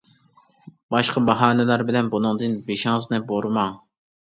باشقا باھانىلەر بىلەن بۇنىڭدىن بېشىڭىزنى بۇرىماڭ.